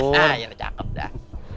ya udah cakep dah